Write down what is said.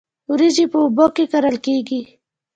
وریجې په اوبو کې کرل کیږي